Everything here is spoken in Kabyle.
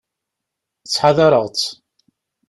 Ttḥadareɣ-tt.